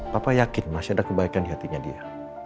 papa yakin masih ada kebaikan di hatinya dia